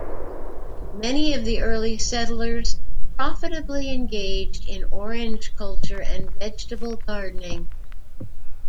Many of the early settlers profitably engaged in orange culture and vegetable gardening.